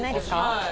はい。